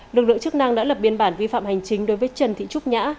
lực lượng chức năng đã lập biên bản vi phạm hành chính đối với trần thị trúc nhã